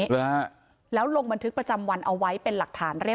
เชิงชู้สาวกับผอโรงเรียนคนนี้